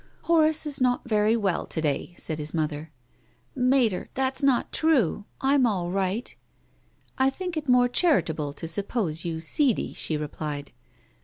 " Horace is not very well to day," said his mother. " Mater, that's not true— I'm all right." " I think it more charitable to suppose you seedy," she replied.